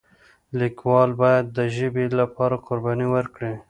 لیکوال باید د ژبې لپاره قرباني ورکړي.